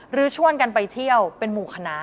ชวนกันไปเที่ยวเป็นหมู่คณะ